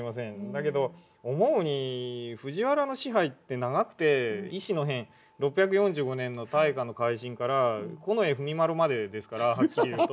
だけど思うに藤原の支配って長くて乙巳の変６４５年の大化の改新から近衛文麿までですからはっきり言うと。